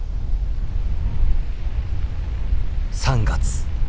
３月。